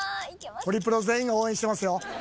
ホリプロ全員が応援してますよ。